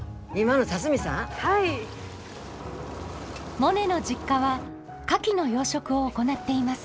モネの実家はカキの養殖を行っています。